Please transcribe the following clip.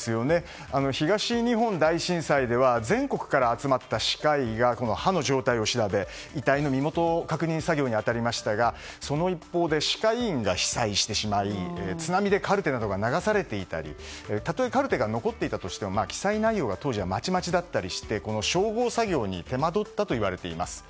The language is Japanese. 東日本大震災では全国から集まった歯科医が歯の状態を調べ、遺体の身元確認作業に当たりましたがその一方で歯科医院が被災してしまい津波でカルテなどが流されていたりたとえ、カルテが残っていたとしても記載内容が当時は、まちまちだったりして照合作業に手間どったといわれています。